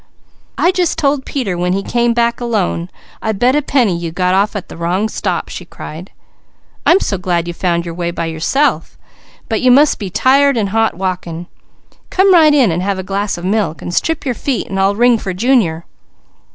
"I just told Peter when he came back alone, I bet a penny you'd got off at the wrong stop!" she cried. "I'm so glad you found your way by yourself. But you must be tired and hot walking. Come right in and have a glass of milk, then strip your feet and I'll ring for Junior."